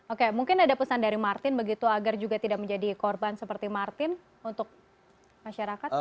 oke mungkin ada pesan dari martin begitu agar juga tidak menjadi korban seperti martin untuk masyarakat